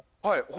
はい。